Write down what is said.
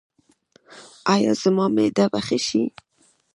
ایا زما معده به ښه شي؟